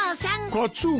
カツオか。